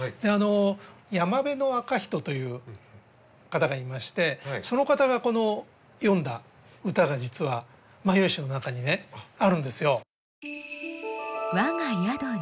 山部赤人という方がいましてその方が詠んだ歌が実は「万葉集」の中にあるんですよ。